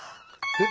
えっ？